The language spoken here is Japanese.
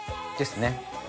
ですね。